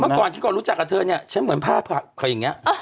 เมื่อก่อนที่ก่อนรู้จักกับเธอน่ะฉันเหมือนผ้าผาคืออย่างเงี้ย